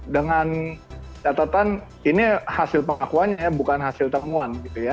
dengan catatan ini hasil pengakuannya bukan hasil temuan